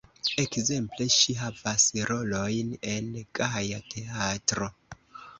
Ekzemple ŝi havas rolojn en Gaja Teatro.